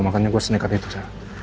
makanya gue seneng kan itu sa